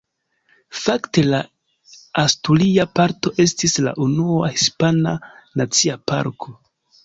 Fakte la asturia parto estis la unua hispana nacia parko.